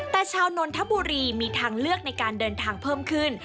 แต่ชาวนนทบุรีมีทางเลือกในการเดินทางเพิ่มขึ้น